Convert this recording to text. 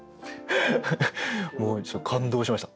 もうちょっと感動しました。